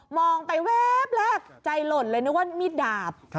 องไปแวบแรกใจหล่นเลยนึกว่ามีดดาบ